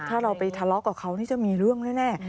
ถ้าเราไปทะเลาะกับเขานี่จะมีเรื่องแน่